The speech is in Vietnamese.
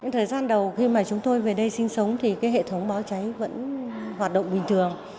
thời gian đầu khi mà chúng tôi về đây sinh sống thì hệ thống báo cháy vẫn hoạt động bình thường